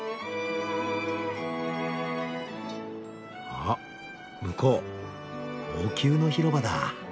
あっ向こう王宮の広場だ。